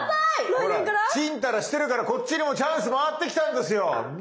来年から⁉チンタラしてるからこっちにもチャンス回ってきたんですよ無期限！